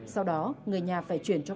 sau đó người nhà phải truyền thông